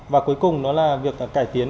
và cuối cùng đó là việc cải tiến